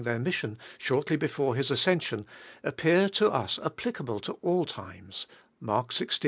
ir mission, shortly before His as renstom, appear to a* appllcaSsle to all limes (Mark Jtvi.